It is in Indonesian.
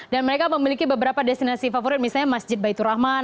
dan mereka memiliki beberapa destinasi favorit misalnya masjid baitur rahman